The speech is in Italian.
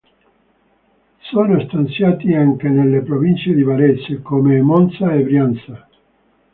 Sono stanziati anche nelle province di Varese, Como e Monza e Brianza.